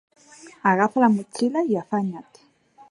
Agafa la motxilla i afanya't!